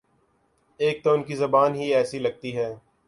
ایک تو ان کی زبان ہی ایسی لگتی ہے۔